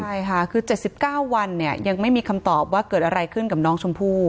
ใช่ค่ะคือ๗๙วันเนี่ยยังไม่มีคำตอบว่าเกิดอะไรขึ้นกับน้องชมพู่